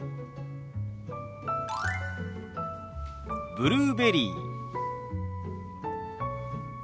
「ブルーベリー」。